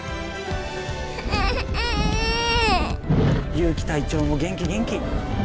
ユウキ隊長も元気元気！